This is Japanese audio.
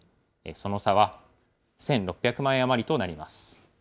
その差は１６００万円余りとなります。